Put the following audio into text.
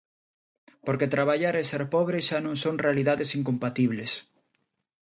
Porque traballar e ser pobre xa non son realidades incompatibles.